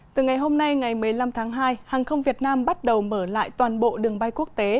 từ ngày hôm nay ngày một mươi năm tháng hai hàng không việt nam bắt đầu mở lại toàn bộ đường bay quốc tế